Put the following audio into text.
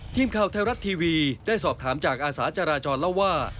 ทีมข่าวไทยรัฐทีวีได้สอบถามจากอาสาจราจรเล่าว่า